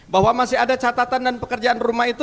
bahwa masih ada catatan dan pekerjaan rumah itu